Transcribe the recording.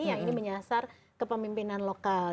yang ini menyasar kepemimpinan lokal